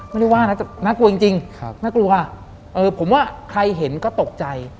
ไม่ได้ว่านะน่ากลัวจริงน่ากลัวเออผมว่าใครเห็นก็ตกใจ